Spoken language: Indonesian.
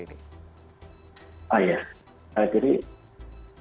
jadi pembahasan tep itu juga